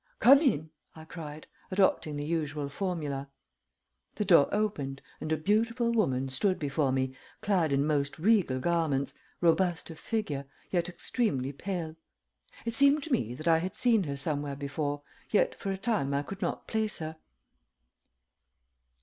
"Come in," I cried, adopting the usual formula. The door opened and a beautiful woman stood before me clad in most regal garments, robust of figure, yet extremely pale. It seemed to me that I had seen her somewhere before, yet for a time I could not place her.